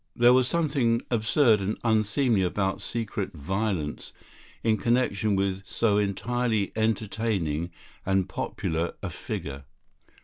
There was something absurd and unseemly about secret violence in connection with so entirely entertaining and popular a figure.